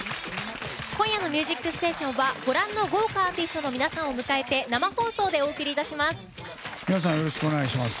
今夜の「ミュージックステーション」はご覧の豪華アーティストの皆さんを迎えて生放送でお送りいたします。